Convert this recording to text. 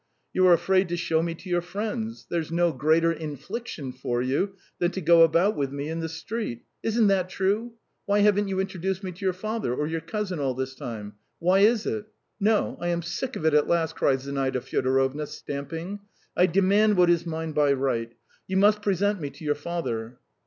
You are afraid to show me to your friends; there's no greater infliction for you than to go about with me in the street. ... Isn't that true? Why haven't you introduced me to your father or your cousin all this time? Why is it? No, I am sick of it at last," cried Zinaida Fyodorovna, stamping. "I demand what is mine by right. You must present me to your father."